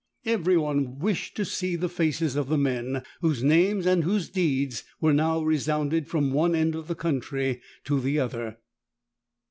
Every one wished to see the faces of men, whose names and whose deeds were now resounded from one end of the country to the other.